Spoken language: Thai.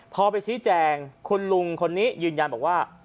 พอไปชี้แจงคุณลุงคนนี้ยืนยันบอกว่า